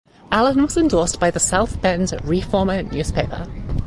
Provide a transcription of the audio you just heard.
Allen was endorsed by The South Bend Reformer newspaper.